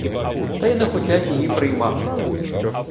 Так і не хотять її приймати.